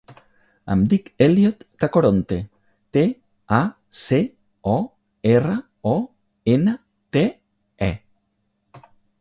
Em dic Elliot Tacoronte: te, a, ce, o, erra, o, ena, te, e.